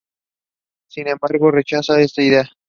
Sin embargo rechazaron esta idea.